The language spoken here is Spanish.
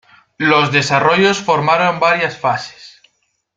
Los desarrollos formaron varias fases.